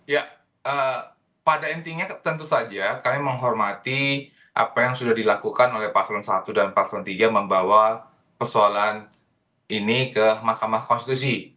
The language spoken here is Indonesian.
ya pada intinya tentu saja kami menghormati apa yang sudah dilakukan oleh paslon satu dan paslon tiga membawa persoalan ini ke mahkamah konstitusi